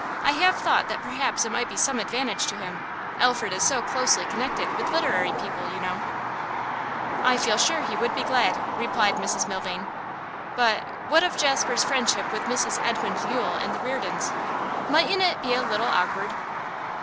I have thought that perhaps it might be some advantage to him. Alfred is so closely connected with literary people, you know.' 'I feel sure he would be glad,' replied Mrs Milvain. 'But what of Jasper's friendship with Mrs Edmund Yule and the Reardons? Mightn't it be a little awkward?